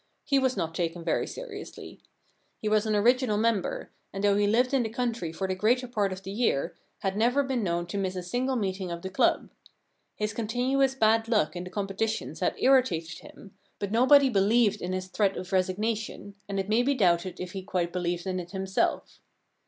He was not taken very seriously. He was an original member, and, though he 7 The Problem Club lived in the country for the greater part of the year, had never been known to miss a single meeting of the club. His continuous bad luck in the competitions had irritated him, but nobody believed in his threat of resignation, and it may be doubted if he quite believed in it himself.